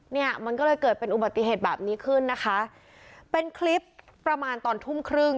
เนี่ยมันก็เลยเกิดเป็นอุบัติเหตุแบบนี้ขึ้นนะคะเป็นคลิปประมาณตอนทุ่มครึ่ง